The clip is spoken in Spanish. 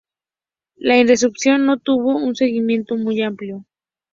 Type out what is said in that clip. La insurrección no tuvo un seguimiento muy amplio.